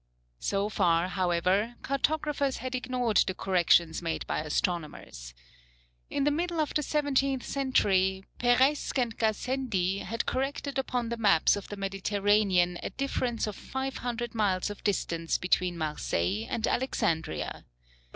So far, however, cartographers had ignored the corrections made by astronomers. In the middle of the seventeenth century, Peiresc and Gassendi had corrected upon the maps of the Mediterranean a difference of "five hundred" miles of distance between Marseilles and Alexandria.